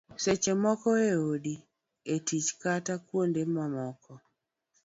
seche moko e odi, e tich kata kuonde mamoko